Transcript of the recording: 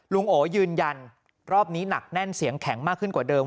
โอยืนยันรอบนี้หนักแน่นเสียงแข็งมากขึ้นกว่าเดิม